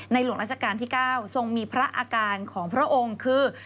หลวงราชการที่๙ทรงมีพระอาการของพระองค์คือ